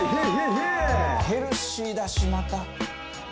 ヘルシーだしまた」